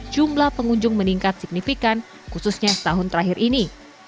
jumlah pengunjung meningkat signifikan khususnya setahun terakhir ini